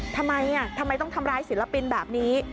ทำไมทำไมต้องทำร้ายศิลปินแบบนี้